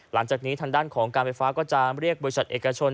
หลังจากนี้ทางด้านของการไฟฟ้าก็จะเรียกบริษัทเอกชน